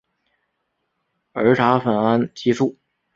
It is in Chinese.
儿茶酚胺激素。